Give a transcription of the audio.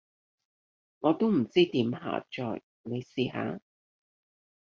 我都唔知點下載，你試下？